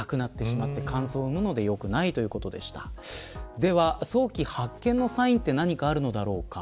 では早期発見のサインは何かあるのだろうか。